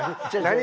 何？